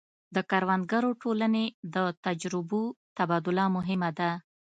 د کروندګرو ټولنې د تجربو تبادله مهمه ده.